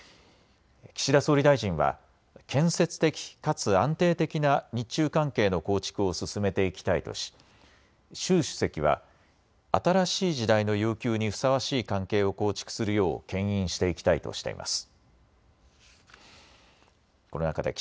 岸田総理大臣は建設的かつ安定的な日中関係の構築を進めていきたいとし習主席は新しい時代の要求にふさわしい関係を構築するようけん引していきたいとしています。